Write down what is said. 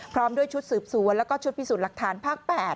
พร้อมด้วยชุดสืบสวนแล้วก็ชุดพิสูจน์หลักฐานภาค๘